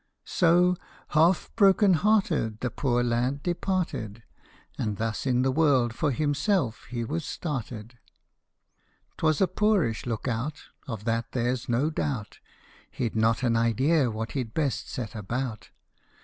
So, half broken hearted, the poor lad departed, And thus in the world for himself he was started. 'T was a poorish look out, Of that there 's no doubt ; He 'd not an idea what he 'd best set about.